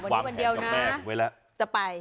วางแผ่งกาแปบไว้แล้วจะไป